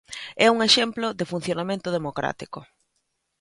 É un exemplo de funcionamento democrático.